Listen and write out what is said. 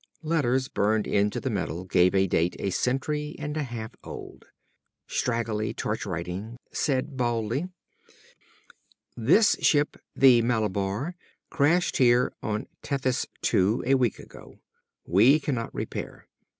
Letters burned into the metal gave a date a century and a half old. Straggly torch writing said baldly; "_This ship the Malabar crashed here on Tethys II a week ago. We cannot repair.